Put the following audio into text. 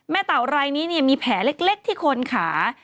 แม่เต่าไร้นี้มีแผลเล็กที่คนขา